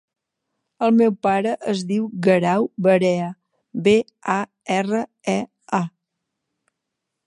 El meu pare es diu Guerau Barea: be, a, erra, e, a.